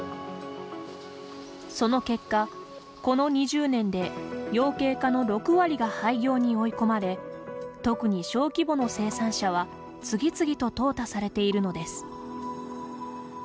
その結果、この２０年で養鶏家の６割が廃業に追い込まれ特に小規模の生産者は次々ととうたされているのです。